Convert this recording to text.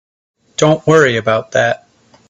Don't worry about that.